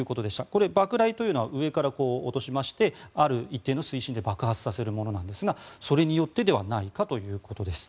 これ、爆雷というのは上から落としましてある一定の水深で爆破させるものなんですがそれによってではないかということです。